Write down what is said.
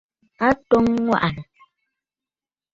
A twoŋǝ aŋwà'ànǝ̀.